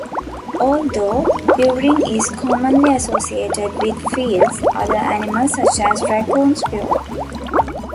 Although purring is commonly associated with felids, other animals such as raccoons purr.